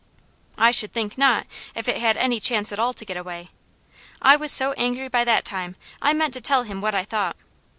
I should think not, if it had any chance at all to get away! I was so angry by that time I meant to tell him what I thought.